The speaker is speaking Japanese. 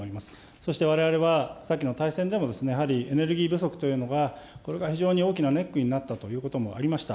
そしてわれわれは、先の大戦でもですね、やはりエネルギー不足というのが、これが非常に大きなネックになったということもありました。